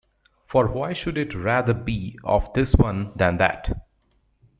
For why should it rather be of this one than that?